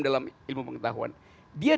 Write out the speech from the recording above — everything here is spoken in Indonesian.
dalam ilmu pengetahuan dia